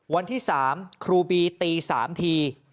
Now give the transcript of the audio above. วันที่๓ครูบีตี๓ที